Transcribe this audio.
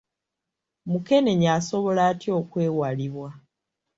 Mukenenya asobola atya okwewalibwa?